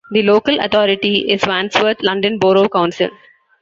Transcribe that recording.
The local authority is Wandsworth London Borough Council.